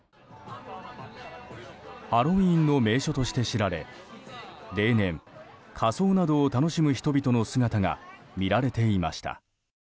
ハロウィーンの名所として知られ例年、仮装などを楽しむ人々の姿が見られていました。